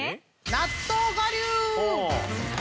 納豆我流？